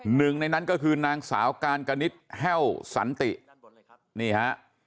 หนึ่งในนั้นก็คือนางสาวการกนิดแห้วสันตินี่ฮะ